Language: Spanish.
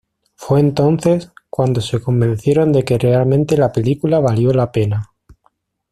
Fue entonces, cuando se convencieron de que realmente la película valió la pena.